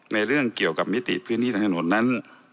เรื่องเกี่ยวกับมิติพื้นที่ทางถนนนั้น